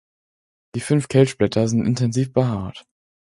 Die fünf Kelchblätter sind intensiv behaart.